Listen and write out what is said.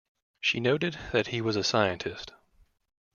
She noted that he was a scientist.